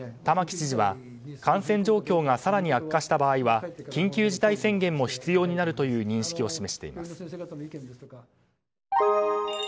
玉城知事は、感染状況が更に悪化した場合は緊急事態宣言も必要になるという認識を示しています。